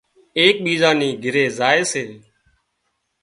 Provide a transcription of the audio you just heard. ايڪ ٻيزان ني گھري زائي سي